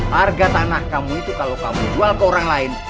harga tanah kamu itu kalau kamu jual ke orang lain